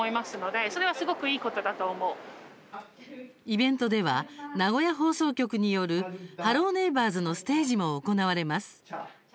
イベントでは名古屋放送局による「ハロー！ネイバーズ」のステージも行われます。